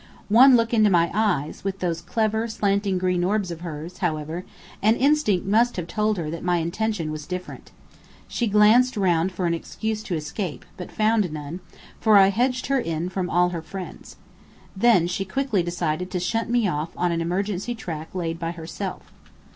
One look into my eyes, with those clever, slanting green orbs of hers, however, and instinct must have told her that my intention was different. She glanced round for an excuse to escape, but found none, for I hedged her in from all her friends. Then she quickly decided to shunt me off on an emergency track laid by herself.